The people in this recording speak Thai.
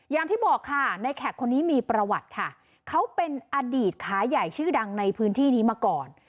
อย่างที่บอกค่ะในแขกคนนี้มีประวัติค่ะเขาเป็นอดีตขาใหญ่ชื่อดังในพื้นที่นี้มาก่อน